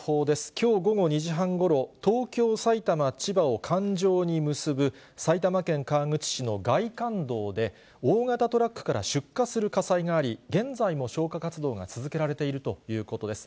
きょう午後２時半ごろ、東京、埼玉、千葉を環状に結ぶ、埼玉県川口市の外環道で、大型トラックから出火する火災があり、現在も消火活動が続けられているということです。